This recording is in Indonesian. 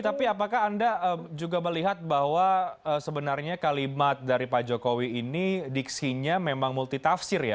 tapi apakah anda juga melihat bahwa sebenarnya kalimat dari pak jokowi ini diksinya memang multitafsir ya